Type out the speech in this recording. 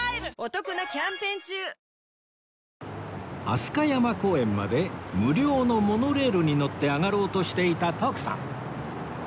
飛鳥山公園まで無料のモノレールに乗って上がろうとしていた徳さん